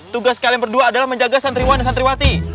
tugas kalian berdua adalah menjaga santriwan dan santriwati